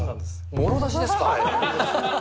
もろ出しですか。